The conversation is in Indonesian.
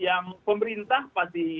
dan yang pemerintah pasti